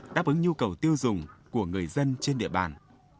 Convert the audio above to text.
đáp ứng nhu cầu tiêu dùng của người dân trên địa bàn